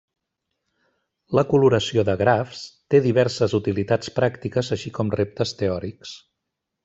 La coloració de grafs té diverses utilitats pràctiques així com reptes teòrics.